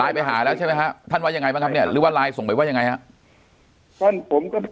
ไปหาแล้วใช่ไหมฮะท่านว่ายังไงบ้างครับเนี่ยหรือว่าไลน์ส่งไปว่ายังไงฮะ